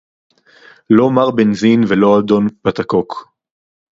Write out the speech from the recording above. לא מר בנזין ולא אדון פטקוק